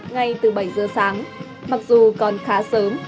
ngay từ bảy giờ sáng mặc dù còn khá sớm